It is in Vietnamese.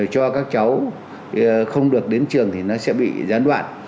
cho các cháu không được đến trường thì nó sẽ bị gián đoạn